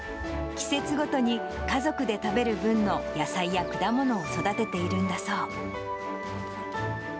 季節ごとに家族で食べる分の野菜や果物を育てているんだそう。